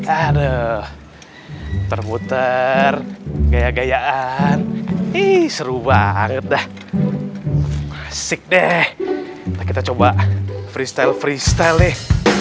aduh termuter gaya gayaan ih seru banget dah asik deh kita coba freestyle freestyle deh